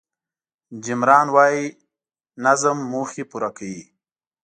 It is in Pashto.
جیم ران وایي نظم موخې پوره کوي.